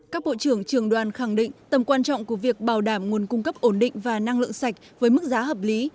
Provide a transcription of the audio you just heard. các bộ trưởng trường đoàn khẳng định tầm quan trọng của việc bảo đảm nguồn cung cấp ổn định và năng lượng sạch với mức giá hợp lý